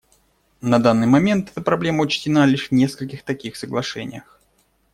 На данный момент эта проблема учтена лишь в нескольких таких соглашениях.